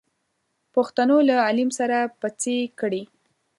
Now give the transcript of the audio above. پښتنو له عليم سره پڅې کړې.